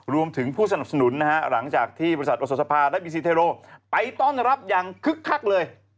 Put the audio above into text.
รวมถึงผู้สนับสนุนนะฮะหลังจากที่บริษัทโอสภาและบีซีเทโรไปต้อนรับอย่างคึกคักเลย